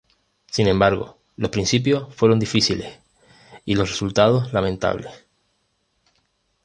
Sin embargo, los principios fueron difíciles y los resultados lamentables.